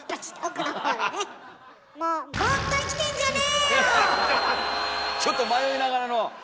もうちょっと迷いながらの！